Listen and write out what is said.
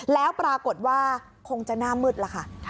แล้วปรากฏว่าคงจะหน้ามืดแล้วค่ะ